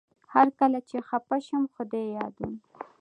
هر کله چي خپه شم خدای يادوم